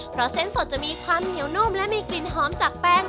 เพราะเส้นสดจะมีความเหนียวนุ่มและมีกลิ่นหอมจากแป้ง